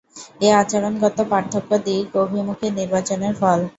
এ আচরণগত পার্থক্য দিক অভিমুখী নির্বাচনের ফল।